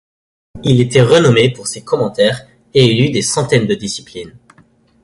Il était renommé pour ses commentaires et il eut des centaines de disciples.